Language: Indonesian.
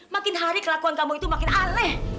makin hari kelakuan kamu itu makin aneh